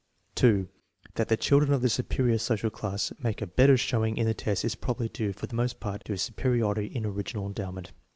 2. That the children of the superior social classes make a better showing in the tests is probably due, for the most part, to a su periority La original endowment.